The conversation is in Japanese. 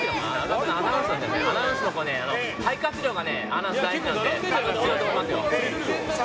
アナウンスの子は肺活量が大事なので強いと思いますよ。